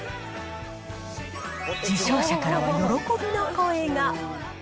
受賞者からは喜びの声が。